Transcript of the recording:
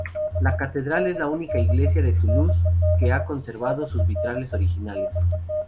La catedral es la única iglesia de Toulouse que ha conservado sus vitrales originales.